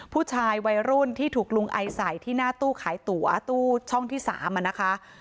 ผู้ชายวัยรุ่นที่ถูกลุงไอใส่ที่หน้าตู้ขายตั๋วตู้ช่องที่๓นะคะ